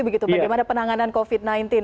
begitu bagaimana penanganan covid sembilan belas